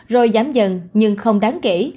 rồi giám dần nhưng không đáng kể